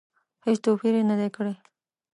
هېڅ توپیر یې نه دی کړی.